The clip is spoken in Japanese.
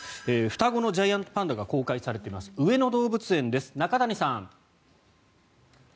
双子のジャイアントパンダが公開されている上野動物園です、中谷さん。